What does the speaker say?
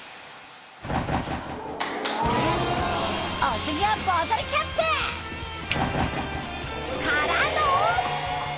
お次はボトルキャップ！からの。